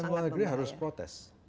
kementerian luar negeri harus protes